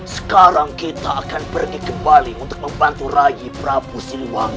sekarang kita akan pergi kembali untuk membantu raji prabu siliwan